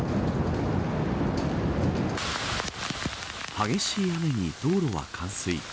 激しい雨に道路は冠水。